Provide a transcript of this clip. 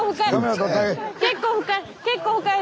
結構深い。